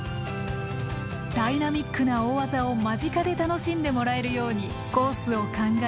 ダイナミックな大技を間近で楽しんでもらえるようにコースを考え